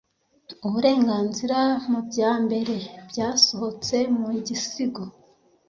uburenganzira mubyambere byasohotse mu gisigo